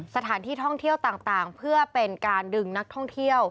สถานที่ท่องเที่ยวต่างเพื่อเป็นการดึงนักท่องเที่ยว